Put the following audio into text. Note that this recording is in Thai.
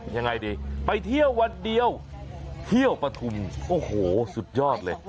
ยังไงดีไปเที่ยววันเดียวเที่ยวปฐุมโอ้โหสุดยอดเลย